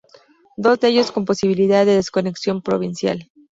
Dos de ellos con posibilidad de desconexión provincial.